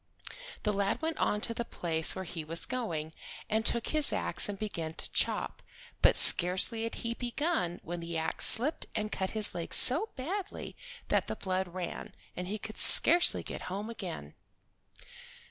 The lad went on to the place where he was going, and took his ax and began to chop, but scarcely had he begun when the ax slipped and cut his leg so badly that the blood ran, and he could scarcely get home again.